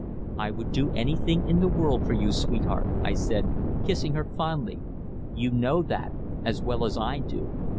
"I would do anything in the world for you, sweetheart," I said, kissing her fondly. "You know that, as well as I do.